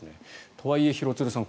とはいえ、廣津留さん